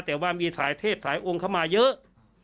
แต่ว่ามีสายเทพสายองค์เข้ามาเยอะ